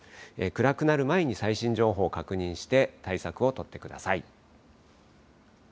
暗くなる前に最新情報、確認して対策を取ってください。